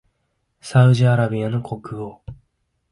サウジアラビアの国王